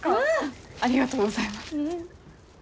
ありがとうございます。